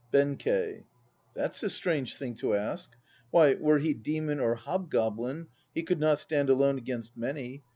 BENKEI. That's a strange thing to ask! Why, were he demon or hobgoblin, he could not stand alone against many.